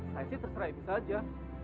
saya sih terserah bisa aja